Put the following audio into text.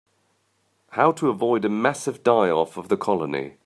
How to avoid a massive die-off of the colony.